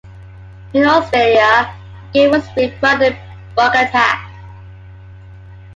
In Australia, the game was re-branded "Bug Attack".